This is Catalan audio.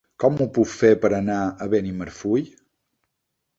Com ho puc fer per anar a Benimarfull?